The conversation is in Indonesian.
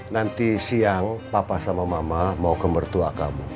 nanti siang papa sama mama mau ke mertua kamu